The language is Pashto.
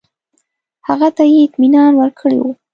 هغه ته یې اطمینان ورکړی وو.